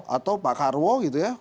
atau pakarwo gitu ya